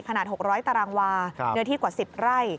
ขนาด๖๐๐ตารางวาเนื้อที่กว่า๑๐ไร่